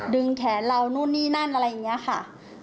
แขนเรานู่นนี่นั่นอะไรอย่างนี้ค่ะ